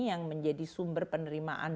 yang menjadi sumber penerimaan